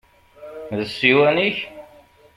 D ssiwan-ik?